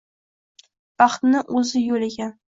Baxtni o’zi yo’l ekan.